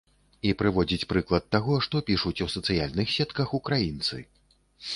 І прыводзіць прыклад таго, што пішуць у сацыяльных сетках украінцы.